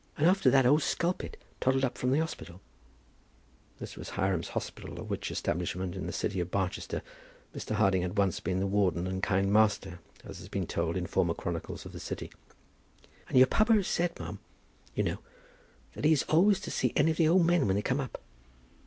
And after that old Skulpit toddled up from the hospital," this was Hiram's Hospital, of which establishment, in the city of Barchester, Mr. Harding had once been the warden and kind master, as has been told in former chronicles of the city, "and your papa has said, ma'am, you know, that he is always to see any of the old men when they come up.